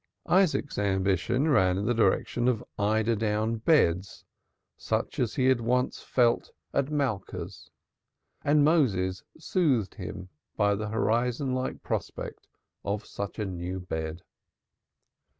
Isaac's ambition ran in the direction of eider down beds such as he had once felt at Malka's and Moses soothed him by the horizon like prospect of such a new bed.